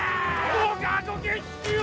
どうかご決心を！